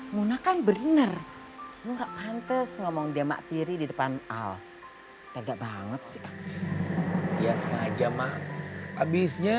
munakan bener bener ngomong dia mak tiri di depan al al banget sih ya sengaja mak habisnya